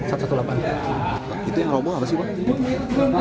itu yang romboh apa sih bang